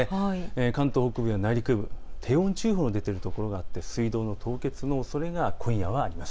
関東北部や内陸部、低温注意報が出ているところがあって水道の凍結のおそれが今夜はあります。